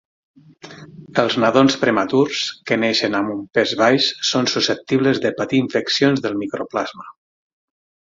Els nadons prematurs que neixen amb un pes baix són susceptibles de patir infeccions del micoplasma.